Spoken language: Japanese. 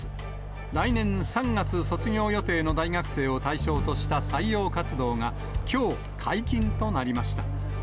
来年３月卒業予定の大学生を対象とした採用活動が、きょう解禁となりました。